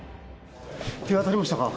手が当たりましたか？